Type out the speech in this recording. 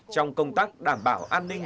trong công tác đảm bảo an ninh